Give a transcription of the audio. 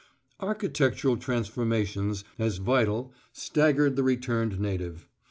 Architectural transformations, as vital, staggered the returned native.